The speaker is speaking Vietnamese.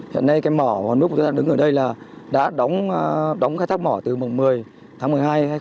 hiện nay cái mỏ hòn lức đang đứng ở đây là đã đóng khai thác mỏ từ mùng một mươi tháng một mươi hai hai nghìn hai mươi hai